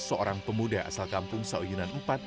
seorang pemuda asal kampung saoyunan iv